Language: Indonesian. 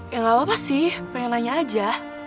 ya gak apa apa sih pengen nanya aja